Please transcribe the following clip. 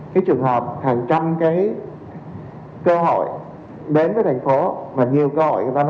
khi chúng ta gặp khó khăn